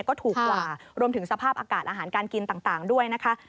ก็ถูกกว่ารวมถึงสภาพอากาศอาหารการกินต่างด้วยนะคะ